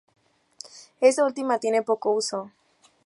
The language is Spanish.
Esta última tiene poco uso.